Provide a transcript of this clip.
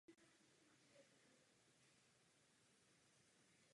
Oddíl patřil pod sportovní klub stejného názvu.